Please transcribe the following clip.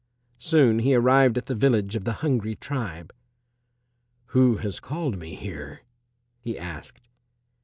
Soon he arrived at the village of the hungry tribe. "Who has called me here?" he asked.